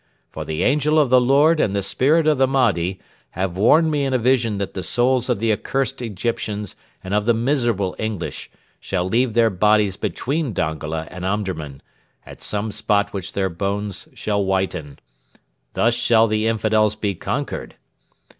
For the angel of the Lord and the spirit of the Mahdi have warned me in a vision that the souls of the accursed Egyptians and of the miserable English shall leave their bodies between Dongola and Omdurman, at some spot which their bones shall whiten. Thus shall the infidels be conquered.'